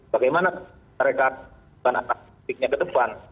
bagaimana mereka akan aktif ke depan